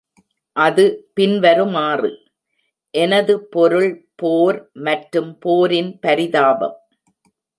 அது பின்வருமாறு: எனது பொருள் போர், மற்றும் போரின் பரிதாபம்.